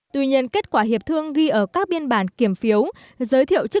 tuy nhiên kết quả hiệp thương ghi ở các biên bản kiểm phiếu